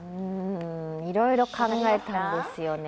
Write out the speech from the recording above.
いろいろ考えたんですよね。